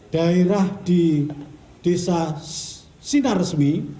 daerah di desa sinar resmi